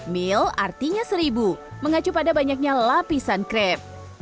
meal artinya seribu mengacu pada banyaknya lapisan crepe